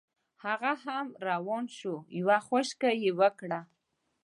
هغه هم روان شو یوه خوشکه یې وکړه.